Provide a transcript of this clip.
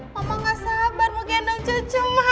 mama gak sabar mau gendong cucu